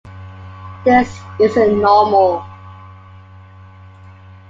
This isn't normal.